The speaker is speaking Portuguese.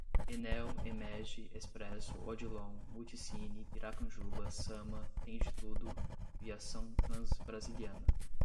Enel, Emege, Expresso, Odilon, Multicine, Piracanjuba, Sama, Tend Tudo, Viação Transbrasiliana